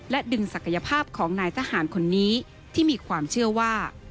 ดึงศักยภาพของนายทหารคนนี้ที่มีความเชื่อว่า